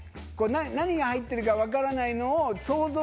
何が入ってるか分からないのを想像しながらの。